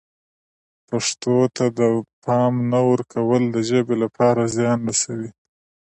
پښتو ته د پام نه ورکول د ژبې لپاره زیان رسوي.